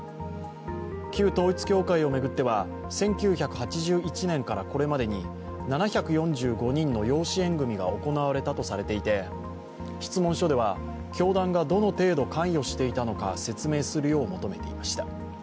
旧統一教会を巡っては１９８１年からこれまでに７４５人の養子縁組みが行われたとされていて質問書では教団がどの程度関与していたのか説明するよう求めていました。